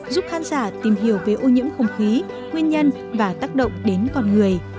giúp khán giả tìm hiểu về ô nhiễm không khí nguyên nhân và tác động đến con người